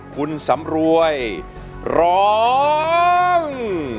คุณสำรวยร้อง